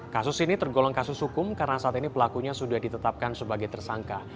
kasus ini tergolong kasus hukum karena saat ini pelakunya sudah ditetapkan sebagai tersangka